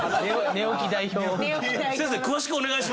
寝起き代表。